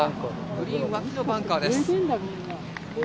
グリーン脇のバンカーです。